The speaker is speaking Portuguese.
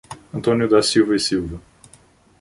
Antônio da Silva E Silva